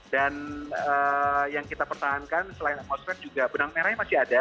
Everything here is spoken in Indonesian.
dan yang kita pertahankan selain atmosfer juga benang merahnya masih ada